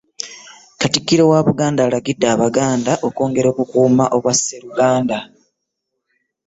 Katikkiro wa Buganda alagidde abaganda okwongera okukuuma obwa Sseruganda